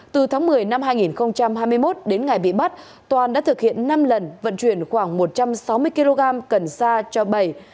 từ tháng một mươi năm hai nghìn hai mươi một đến ngày bị bắt toàn đã thực hiện năm lần vận chuyển khoảng một trăm sáu mươi kg cần sa cho bảy